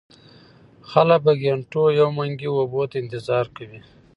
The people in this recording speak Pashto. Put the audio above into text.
خلک په ګېنټو يو منګي اوبو ته انتظار کوي ـ